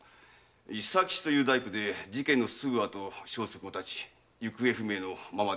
伊佐吉という大工で事件のすぐあと消息を絶ち行方不明のままでございます。